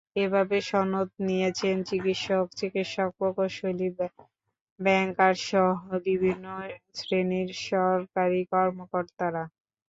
এভাবে সনদ নিয়েছেন চিকিৎসক, শিক্ষক, প্রকৌশলী, ব্যাংকারসহ বিভিন্ন শ্রেণীর সরকারি কর্মকর্তারা।